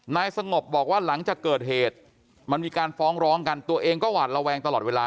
นายสงบบอกว่าหลังจากเกิดเหตุมันมีการฟ้องร้องกันตัวเองก็หวาดระแวงตลอดเวลา